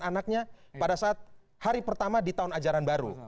anaknya pada saat hari pertama di tahun ajaran baru